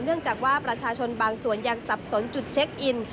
เนื่องจากว่าประชาชนบางส่วนยังสับสนจุดเช็คอิน